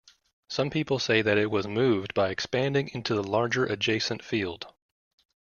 Some people say that it was moved by expanding into the larger adjacent field.